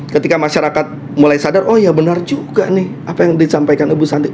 ketika masyarakat mulai sadar oh ya benar juga nih apa yang disampaikan ibu santi